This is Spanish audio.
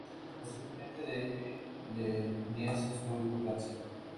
Posiblemente de ahí le viniese su importancia.